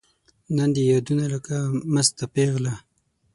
نن دي یادونو لکه مسته پیغله